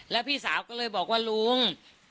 แล้วพี่สาวก็เลยบอกว่าลุง